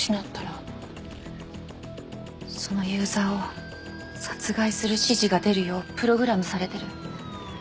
そのユーザーを殺害する指示が出るようプログラムされてる。